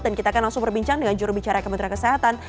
dan kita akan langsung berbincang dengan jurubicara kementerian kesehatan